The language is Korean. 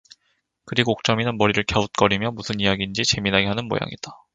그리고 옥점이는 머리를 갸웃 거리며 무슨 이야긴지 재미나게 하는 모양이다.